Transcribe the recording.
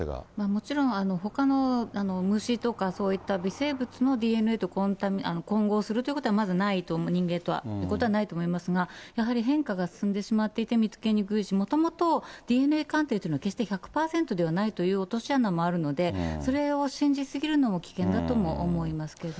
もちろんほかの虫とか、そういった微生物のＤＮＡと混合するということはないと、人間とは、ないと思いますが、やはり変化が進んでしまっていて、見つけにくいし、もともとＤＮＡ鑑定っていうのは、決して１００％ではないという落とし穴もあるので、それを信じ過ぎるのも危険だとも思いますけど。